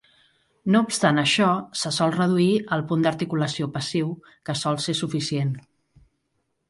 No obstant això, se sol reduir al punt d'articulació passiu, que sol ser suficient.